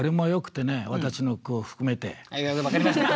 分かりましたよ！